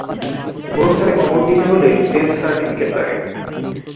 গোরস্থানে কবর দিতে হলে ডেথ সার্টিফিকেট লাগে।